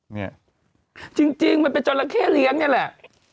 เนี่ยจริงมันเป็นจราเข้เลี้ยงนี่แหละ